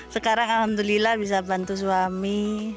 sekarang alhamdulillah bisa bantu suami